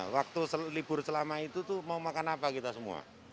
waktu libur selama itu tuh mau makan apa kita semua